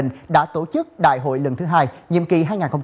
nhiệm kỳ hai nghìn một mươi chín hai nghìn hai mươi bốn